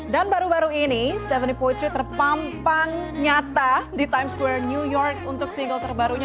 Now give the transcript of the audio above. dan baru baru ini stephanie poitrie terpampang nyata di times square new york untuk single terbarunya